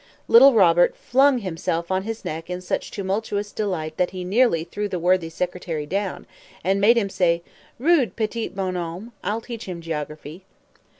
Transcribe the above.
Little Robert flung himself on his neck in such tumultuous delight that he nearly threw the worthy secretary down, and made him say, "Rude petit bonhomme. I'll teach him geography."